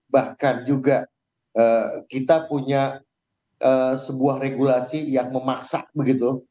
bahkan juga kita punya sebuah regulasi yang memaksa begitu